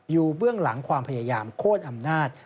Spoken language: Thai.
เบื้องหลังความพยายามโคตรอำนาจ